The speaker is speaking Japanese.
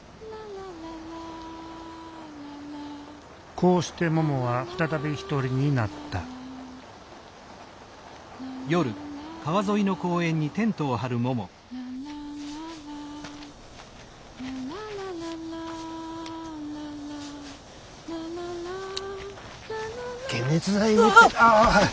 こうしてももは再び一人になった解熱剤持ってない？